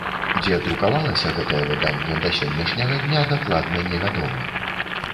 Дзе друкавалася гэтае выданне, да сённяшняга дня дакладна не вядома.